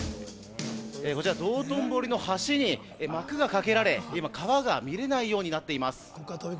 こちら道頓堀の橋に幕がかけられ、今、川が見られないような状態になっています。